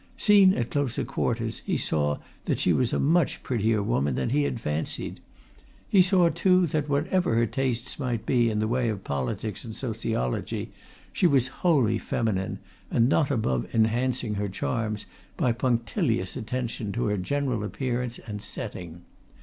Seen at closer quarters he saw that she was a much prettier woman than he had fancied; he saw too that, whatever her tastes might be in the way of politics and sociology, she was wholly feminine, and not above enhancing her charms by punctilious attention to her general appearance and setting.